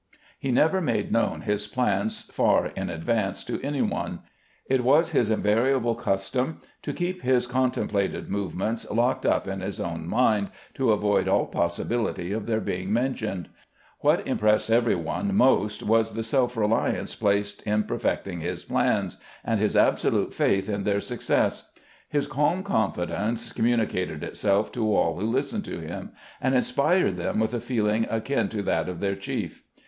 He never made known his plans far in advance to any one. It was his invariable custom to keep his contem plated movements locked up in his own mind to avoid all possibility of their being mentioned. What im pressed every one most was the self reliance displayed in perfecting his plans, and his absolute faith in their success. His calm confidence communicated itself to all who listened to him, and inspired them with a feeling akin to that of their chief.